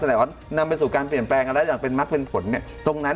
ว่านำไปสู่การเปลี่ยนแปลงกันได้อย่างเป็นมักเป็นผลเนี่ยตรงนั้น